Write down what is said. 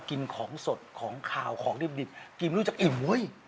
กินของสดของขาวของดิบกินรู้จักอิ่มเว้ย